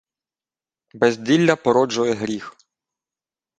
Безділля породжує гріх.